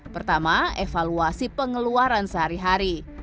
pertama evaluasi pengeluaran sehari hari